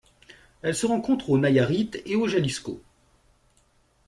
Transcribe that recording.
Elle se rencontre au Nayarit et au Jalisco.